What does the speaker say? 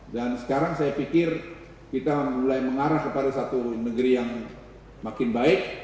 dan sekarang saya pikir kita mulai mengarah kepada satu negeri yang makin baik